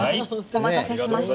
お待たせしました。